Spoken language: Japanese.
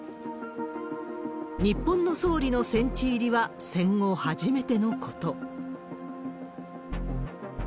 日本の総理の戦地入りは戦後初めてのこと。